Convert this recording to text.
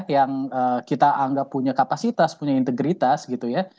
yang kita anggap punya kapasitas punya integritas gitu ya